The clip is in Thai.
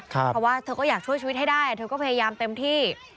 เพราะว่าเธอก็อยากช่วยชีวิตให้ได้เธอก็พยายามเต็มที่